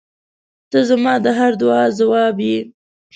• ته زما د هر دعا جواب یې.